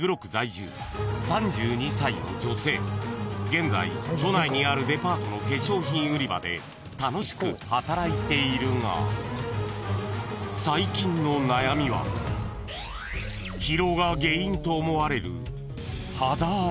［現在都内にあるデパートの化粧品売り場で楽しく働いているが最近の悩みは疲労が原因と思われる］